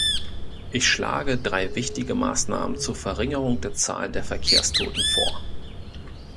Ich schlage drei wichtige Maßnahmen zur Verringerung der Zahl der Verkehrstoten vor.